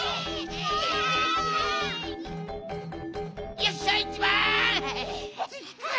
よっしゃ１ばん！